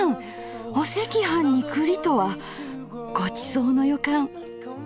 お赤飯に栗とはごちそうの予感。